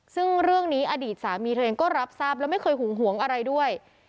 ซึ่งเรื่องนี้อดีตสามีเธอเองก็รับทราบแล้วไม่เคยหุงหวงอะไรด้วย